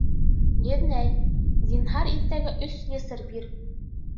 Еҙнәй, зинһар, иртәгә өс слесарь бир!